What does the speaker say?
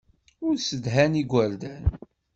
Ur ssedhan igerdan.